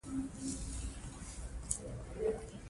ازادي راډیو د د جګړې راپورونه اړوند شکایتونه راپور کړي.